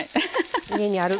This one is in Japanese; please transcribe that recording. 家にある。